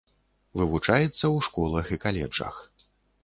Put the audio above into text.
Вывучаецца ў школах і каледжах.